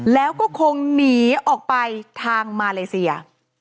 แล้วก็คงหนีออกไปทางมาเลเซีย